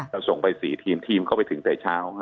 ส่งไป๔ทีมทีมเข้าไปถึงแต่เช้า